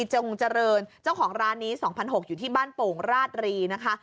จงเจริญเจ้าของร้านนี้๒๖๐๐อยู่ที่บ้านโป่งราชรีนะคะ